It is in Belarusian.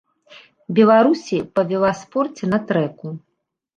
Беларусі па веласпорце на трэку.